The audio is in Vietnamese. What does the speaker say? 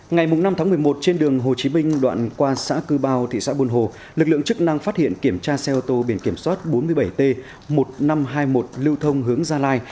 ngày năm tháng một mươi một trên đường hồ chí minh đoạn qua xã cư bao thị xã buôn hồ lực lượng chức năng phát hiện kiểm tra xe ô tô biển kiểm soát bốn mươi bảy t một nghìn năm trăm hai mươi một lưu thông hướng gia lai